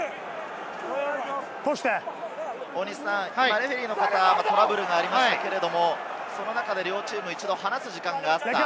レフェリーの方はトラブルがありましたけれども、その中で両チーム、一度は話す時間があった。